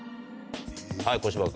はい小芝君。